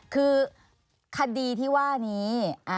คือคดีที่ว่านี้